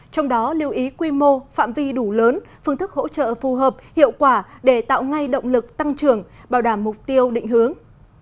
trong đó lưu ý quy mô phạm vi đủ lớn phương thức hỗ trợ phù hợp hiệu quả để tạo ngay động lực tăng trưởng bảo đảm mục tiêu định hướng